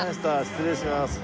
失礼します。